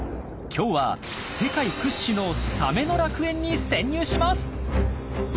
今日は世界屈指のサメの楽園に潜入します！